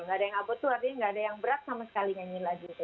nggak ada yang upload tuh artinya nggak ada yang berat sama sekali nyanyi lagi tuh